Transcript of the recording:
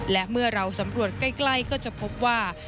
และเมื่อเราสำรวจใกล้ก็จะพบว่า